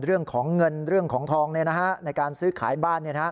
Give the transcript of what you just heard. เรื่องของเงินเรื่องของทองในการซื้อขายบ้าน